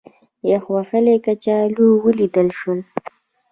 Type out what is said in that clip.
یخ وهلي کچالو ولیدل شول.